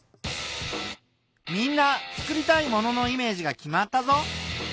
みんな作りたいもののイメージが決まったぞ。